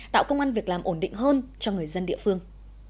tạo công an việc làm ổn định hơn cho người dân địa phương